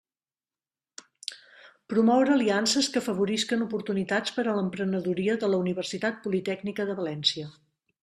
Promoure aliances que afavorisquen oportunitats per a l'emprenedoria de la Universitat Politècnica de València.